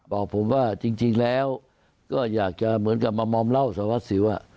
บอกผมว่าจริงแล้วก็อยากจะเหมือนกับมามอมเล่าสารวัสสิว